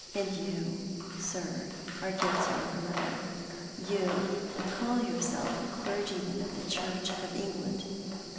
And yon, sir, are guilty of murder — you who call yourself a clergyman of the Church of England.